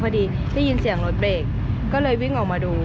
พอดีได้ยินเสียงรถเบรกก็เลยวิ่งออกมาดู